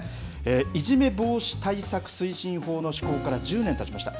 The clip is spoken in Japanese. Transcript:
いじめ防止対策推進法の施行から１０年たちました。